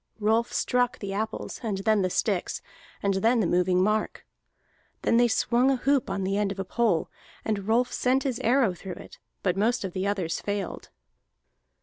Rolf struck the apples, and then the sticks, and then the moving mark. Then they swung a hoop on the end of a pole, and Rolf sent his arrow through it, but most of the others failed.